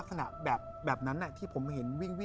อเจมส์